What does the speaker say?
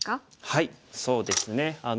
はいそうですね。